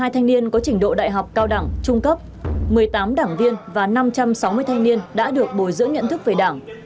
một mươi hai thanh niên có trình độ đại học cao đẳng trung cấp một mươi tám đảng viên và năm trăm sáu mươi thanh niên đã được bồi dưỡng nhận thức về đảng